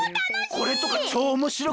これちょうおもしろい！